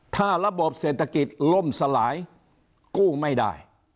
ถ้าระบบเศรษฐกิจล่มสลายกู้ไม่ได้